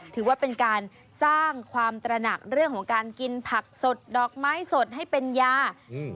ถือว่าเป็นการสร้างความตระหนักเรื่องของการกินผักสดดอกไม้สดให้เป็นยาอืม